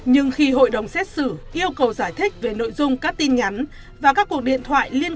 nhưng khi hội đồng xét xử yêu cầu giải thích về nội dung các tin nhắn và các cuộc điện thoại liên